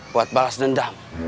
buat balas dendam